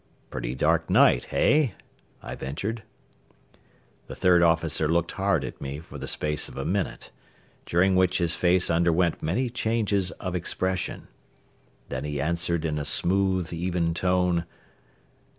"Pretty dark night, hey?" I ventured. The third officer looked hard at me for the space of a minute, during which time his face underwent many changes of expression. Then he answered in a smooth, even tone.